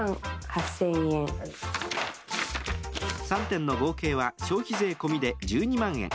３点の合計は消費税込みで１２万円。